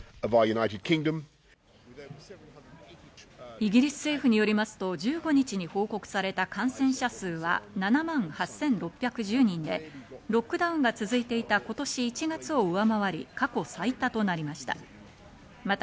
イギリス政府によりますと、１５日に報告された感染者数は７万８６１０人で、ロックダウンが続いていた今年１月を上回り、過去最多となりました。